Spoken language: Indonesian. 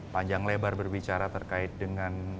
panjang lebar berbicara terkait dengan